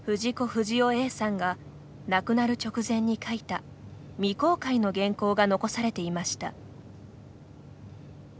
不二雄Ａさんが亡くなる直前に描いた未公開の原稿が残されていました。